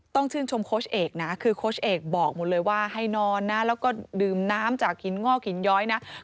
ต้องชื่นชมโค้ชเอกนะคือโค้ชเอกบอกหมดเลยว่าให้นอนนะแล้วก็ดื่มน้ำจากหินงอกหินย้อยนะ